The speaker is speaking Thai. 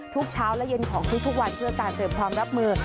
เช้าและเย็นของทุกวันเพื่อการเตรียมความรับมือ